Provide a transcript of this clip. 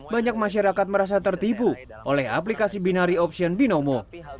banyak masyarakat merasa tertipu oleh aplikasi binari option binomo